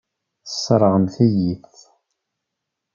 Tesseṛɣemt-iyi-t.